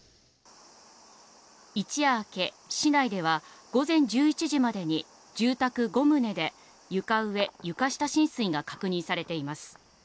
一夜明け市内では午前１１時までに住宅５棟で床上・床下浸水が確認されています